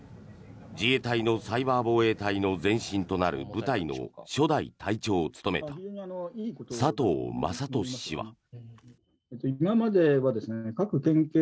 自衛隊のサイバー防衛隊の前身となる部隊の初代隊長を務めた佐藤雅俊氏は。